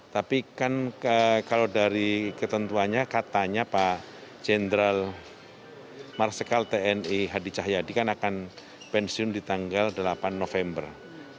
tapi kan kalau dari ketentuannya katanya pak jenderal marsikal tni hadi cahyadi kan akan pensiun di tanggal delapan november